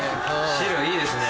白いいですね。